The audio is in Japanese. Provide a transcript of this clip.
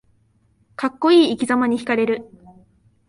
かっこいい生きざまにひかれる